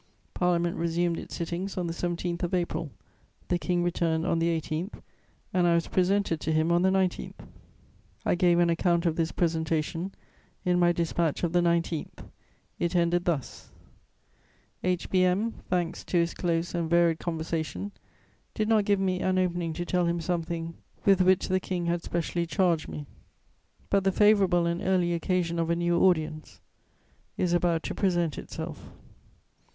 Parliament resumed its sittings on the 17th of April; the King returned on the 18th, and I was presented to him on the 19th. I gave an account of this presentation in my dispatch of the 19th; it ended thus: "H. B. M., thanks to his close and varied conversation, did not give me an opening to tell him something with which the King had specially charged me; but the favourable and early occasion of a new audience is about to present itself."